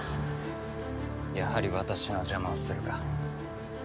やはり私の邪魔をするか。